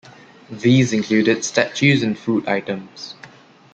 These included statues and food items.